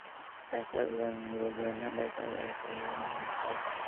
Their backs are a brilliant blue-green, and their sides are a silvery-golden color.